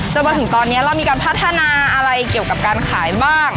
จนถึงตอนนี้เรามีการพัฒนาอะไรเกี่ยวกับการขายบ้าง